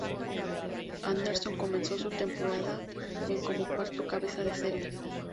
Anderson comenzó su temporada en como cuarto cabeza de serie.